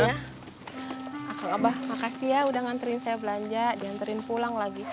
iya udah nganterin saya belanja dihanterin pulang lagi